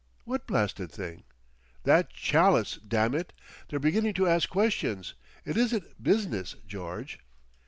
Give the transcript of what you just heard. "What blasted thing?" "That chalice, damn it! They're beginning to ask questions. It isn't Business, George."